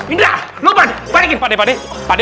idrah lupa pade pade pade